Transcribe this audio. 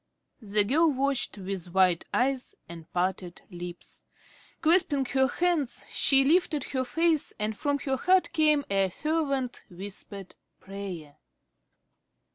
The girl watched with wide eyes and parted lips. Clasping her hands, she lifted her face and from her heart came a fervent, whispered prayer.